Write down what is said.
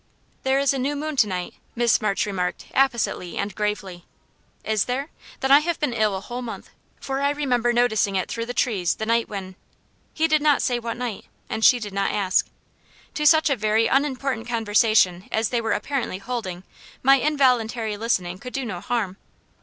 "There is a new moon to night," Miss March remarked, appositely and gravely. "Is there? Then I have been ill a whole month. For I remember noticing it through the trees the night when " He did not say what night, and she did not ask. To such a very unimportant conversation as they were apparently holding my involuntary listening could do no harm.